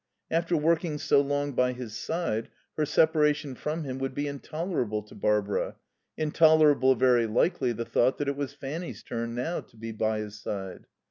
After working so long by his side, her separation from him would be intolerable to Barbara; intolerable, very likely, the thought that it was Fanny's turn, now, to be by his side.